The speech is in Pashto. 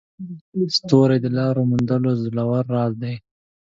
ستوري د لارو موندلو زوړ راز دی.